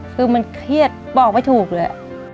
คือมันเครียดบอกไม่ถูกเลย